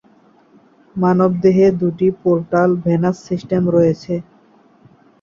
মানবদেহে দুটি portal venous system রয়েছে।